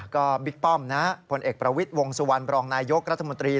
ก็บิ๊กป้อมนะผลเอกประวิทย์วงสุวรรณบรองนายยกรัฐมนตรี